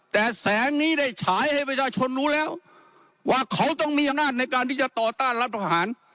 แต่แสงนี้ได้ฉายให้ประชาชนรู้แล้วว่าเขาต้องมีอำนาจในการที่จะต่อต้านรัฐประหาร